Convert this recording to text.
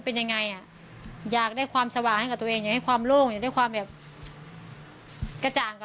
เอาความจริงนั้นนะที่เราไปมุคละหาร